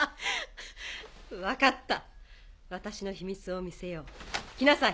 分かった私の秘密を見せよう来なさい。